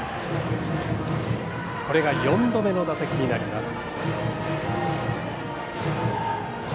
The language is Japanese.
これが４度目の打席になります。